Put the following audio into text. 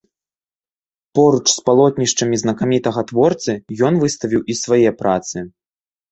Поруч з палотнішчамі знакамітага творцы ён выставіў і свае працы.